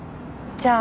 じゃあ